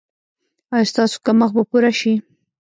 ایا ستاسو کمښت به پوره شي؟